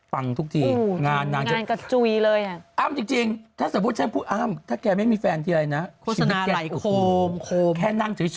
ฟังทุกทีงานนางจะ